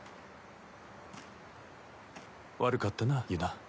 悪かったなユナ。